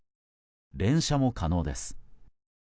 連射も可能です。